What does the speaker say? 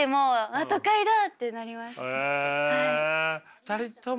２人ともね